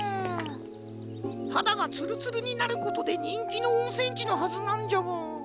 はだがつるつるになることでにんきのおんせんちのはずなんじゃが。